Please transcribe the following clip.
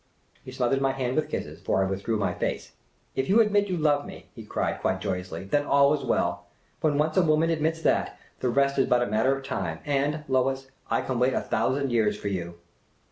He smothered my hand with kisses — for I withdrew my face. '' If you admit you love me, '' he cried, quite joyously, " then all is well. When once a woman admits that, the rest is but a matter of time— and, Lois, I can wait a thou sand years for you."